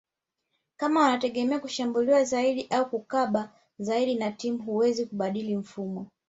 kama wanategemea kushambulia zaidi au kukaba zaidi na timu huweza kubadili mifumo